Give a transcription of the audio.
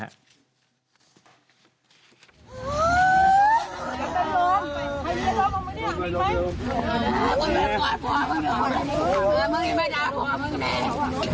เออ